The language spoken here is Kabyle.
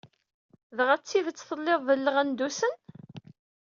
Dɣa s tidett telliḍ di Iɣendusen?